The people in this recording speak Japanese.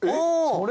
それ？